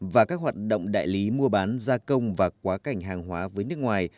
và các hoạt động đại lý mua bán gia công và quá cảnh hàng hóa với nước ngoài